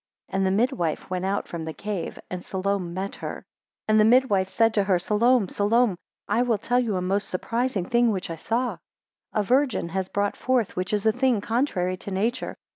14 And the midwife went out from the cave, and Salome met her. 15 And the midwife said to her, Salome, Salome, I will tell you a most surprising thing which I saw, 16 A virgin hath brought forth, which is a thing contrary to nature.